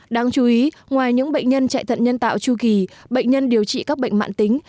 đáng chú ý ngoài những bệnh nhân chạy thận nhân tạo chu kỳ bệnh nhân điều trị các bệnh mạng tính